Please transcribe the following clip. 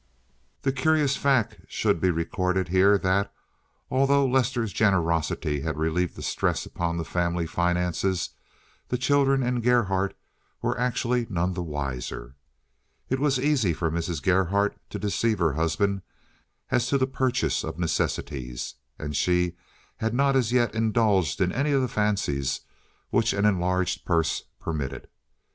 The curious fact should be recorded here that, although Lester's generosity had relieved the stress upon the family finances, the children and Gerhardt were actually none the wiser. It was easy for Mrs. Gerhardt to deceive her husband as to the purchase of necessities and she had not as yet indulged in any of the fancies which an enlarged purse permitted.